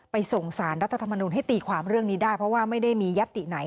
ส่งสารรัฐธรรมนุนให้ตีความเรื่องนี้ได้เพราะว่าไม่ได้มียัตติไหน